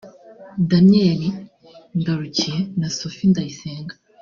Daniel Ngarukiye na Sophie Nzayisenga